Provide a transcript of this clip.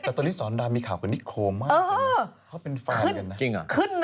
แต่ตอนนี้สอนดามมีข่าวกันนี่โครงมาก